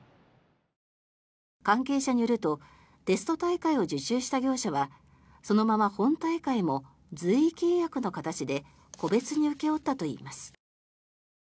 関係者によるとテスト大会を受注した業者はそのまま本大会も随意契約の形で個別に請け負ったといいます。